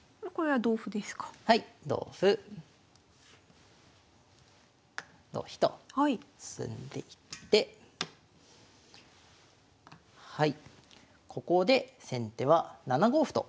はい同歩同飛と進んでいってはいここで先手は７五歩と。